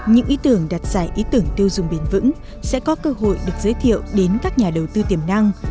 những ý tưởng đặt giải ý tưởng tiêu dùng bền vững sẽ có cơ hội được giới thiệu đến các nhà đầu tư tiềm năng